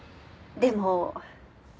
でも。